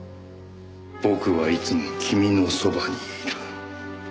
「僕はいつも君の傍にいる」